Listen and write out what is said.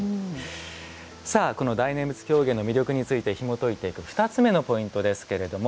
さあこの大念仏狂言の魅力についてひもといていく２つ目のポイントですけれども。